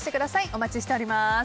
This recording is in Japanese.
お待ちしております。